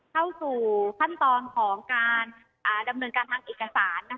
เข้าสู่ขั้นตอนของการดำเนินการทางเอกสาร